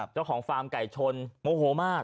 เจ้าของฟาร์มไก่ชนโมโหมาก